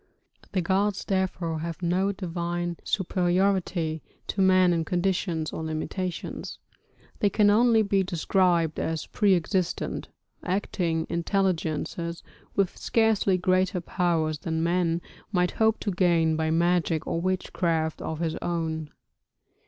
The gods, therefore, have no divine superiority to man in conditions or limitations; they can only be described as pre existent, acting intelligences, with scarcely greater powers than man might hope to gain by magic or witchcraft of his own.